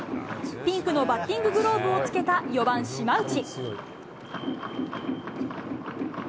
ピンクのバッティンググローブをつけた４番島内。